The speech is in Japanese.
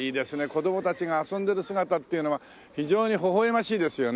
子供たちが遊んでる姿っていうのは非常にほほ笑ましいですよね。